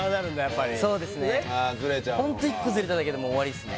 ホント１個ズレただけで終わりっすね